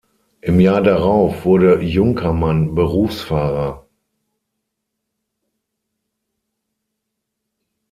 Im Jahr darauf wurde Junkermann Berufsfahrer.